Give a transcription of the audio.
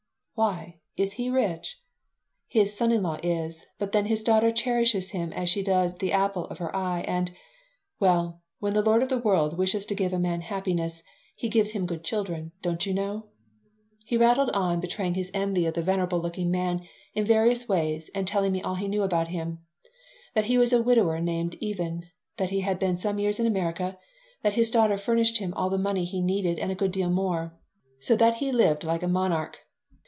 "Why, is he rich?" "His son in law is, but then his daughter cherishes him as she does the apple of her eye, and well, when the Lord of the World wishes to give a man happiness he gives him good children, don't you know." He rattled on, betraying his envy of the venerable looking man in various ways and telling me all he knew about him that he was a widower named Even, that he had been some years in America, and that his daughter furnished him all the money he needed and a good deal more, so that "he lived like a monarch."